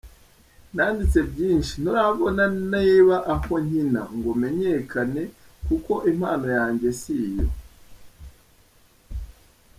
Nanditse byinshi nturabona niha aho nkina ngo menyekane, kuko impano yanjye si iyo.